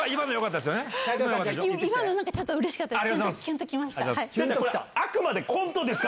今のちょっとうれしかったです。